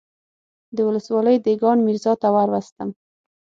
د ولسوالۍ دېګان ميرزا ته وروستم.